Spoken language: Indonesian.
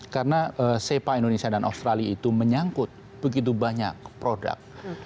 karena sepa indonesia dan australia itu menyangkut begitu banyak produk